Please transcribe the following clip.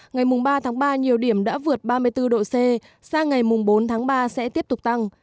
ngày ba tháng ba nhiều điểm đã vượt ba mươi bốn độ c sang ngày bốn tháng ba sẽ tiếp tục tăng